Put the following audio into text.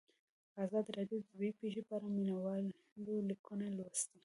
ازادي راډیو د طبیعي پېښې په اړه د مینه والو لیکونه لوستي.